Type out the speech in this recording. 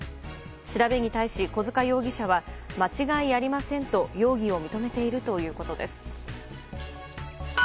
調べに対し、小塚容疑者は間違いありませんと容疑を認めているということです。